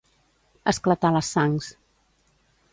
Esclatar les sangs.